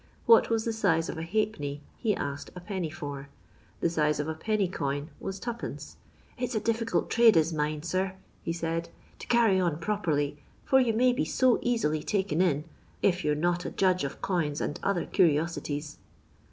What was the size of a halfpenny he asked a penny for; the size of A penny coin was 2<^. It 's a difficult trade is mine, sir/' he said, to carry on properly, for you may be so easily taken in, if yon 're not a judge of coins and other curiosities."